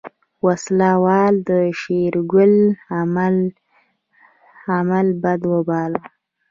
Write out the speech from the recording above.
وسله وال د شېرګل عمل بد وباله.